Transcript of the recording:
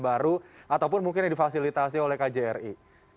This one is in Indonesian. ataupun mungkin yang difasilitasi oleh kjri